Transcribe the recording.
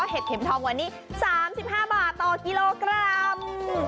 เห็ดเข็มทองวันนี้๓๕บาทต่อกิโลกรัม